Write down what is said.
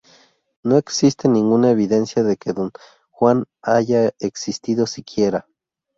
No existe ninguna evidencia de que Don Juan haya existido siquiera.